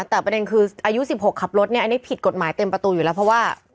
แต่ประเด็นคืออายุ๑๖ขับรถเนี่ยอันนี้ผิดกฎหมายเต็มประตูอยู่แล้วเพราะว่า